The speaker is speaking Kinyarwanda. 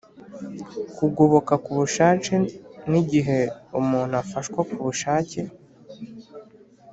Kugoboka ku bushake ni igihe umuntu afashwa ku bushake